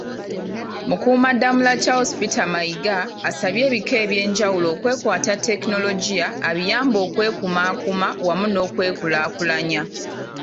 Mukuumaddamula Charles Peter Mayiga, asabye ebika eby’enjawulo okwekwata tekinologiya abiyambe okwekumakuma wamu n’okwekulakulanya.